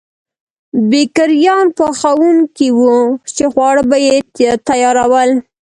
بېکریان پخوونکي وو چې خواړه به یې تیارول.